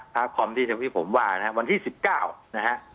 พระคอมที่ที่ผมว่านะฮะวันที่สิบเก้านะฮะ